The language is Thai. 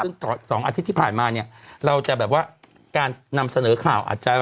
ซึ่ง๒อาทิตย์ที่ผ่านมาเนี่ยเราจะแบบว่าการนำเสนอข่าวอาจจะ